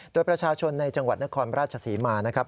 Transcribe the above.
โดยประชาชนในจังหวัดนครราชศรีมานะครับ